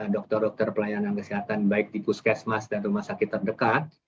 dokter dokter pelayanan kesehatan baik di puskesmas dan rumah sakit terdekat